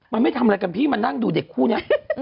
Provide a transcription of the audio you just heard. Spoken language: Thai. มันไม่ทำอะไรกันพี่มานั่งดูเด็กคู่นี้